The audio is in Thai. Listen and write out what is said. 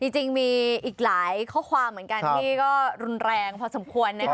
จริงมีอีกหลายข้อความเหมือนกันที่ก็รุนแรงพอสมควรนะคะ